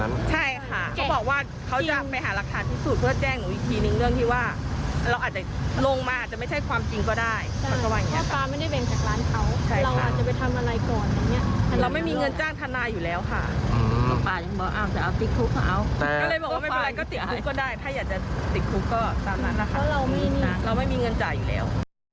เพราะเราไม่มีเงินจ่ายอยู่แล้ว